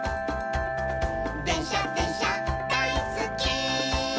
「でんしゃでんしゃだいすっき」